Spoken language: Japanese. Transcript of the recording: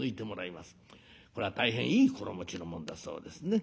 これは大変いい心持ちのもんだそうですね。